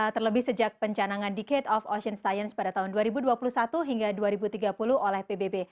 terlebih sejak pencanangan decade of ocean science pada tahun dua ribu dua puluh satu hingga dua ribu tiga puluh oleh pbb